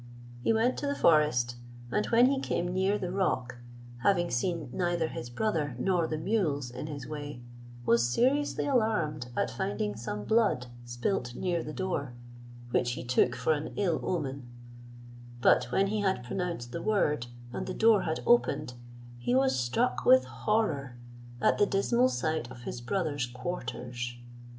He went to the forest, and when he came near the rock, having seen neither his brother nor the mules in his way, was seriously alarmed at finding some blood spilt near the door, which he took for an ill omen; but when he had pronounced the word, and the door had opened, he was struck with horror at the dismal sight of his brother's quarters.